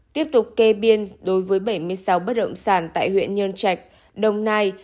tiếp tục kê biên đối với bảy mươi sáu bất động sản tại huyện nhơn trạch đồng nai